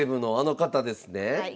はい。